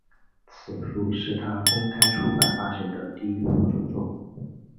此书是他公开出版发行的第一部着作。